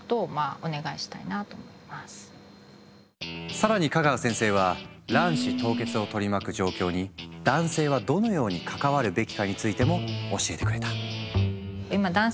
更に香川先生は卵子凍結を取り巻く状況に男性はどのように関わるべきかについても教えてくれた。